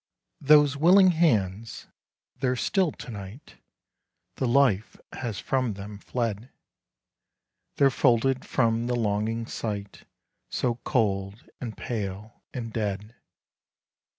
Those willing hands they're still to night The life has from them fled; They're folded from the longing sight, So cold and pale and dead.